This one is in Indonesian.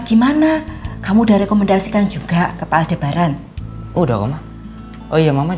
gak boleh sampai terluka